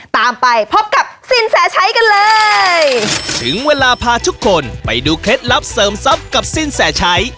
ตามไปพบกับสินแสชัยกันเลยถึงเวลาพาทุกคนไปดูเคล็ดลับเสริมทรัพย์กับสินแสชัย